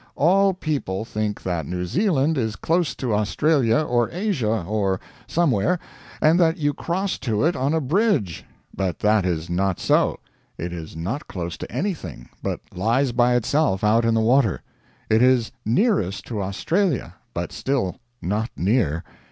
All people think that New Zealand is close to Australia or Asia, or somewhere, and that you cross to it on a bridge. But that is not so. It is not close to anything, but lies by itself, out in the water. It is nearest to Australia, but still not near.